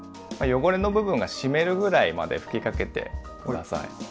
汚れの部分が湿るぐらいまで吹きかけて下さい。